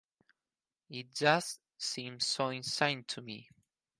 It just seems so insane to me.